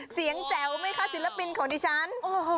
แจ๋วไหมคะศิลปินของดิฉัน